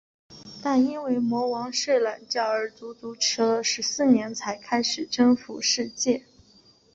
但因为魔王睡懒觉而足足迟了十四年才开始征服世界。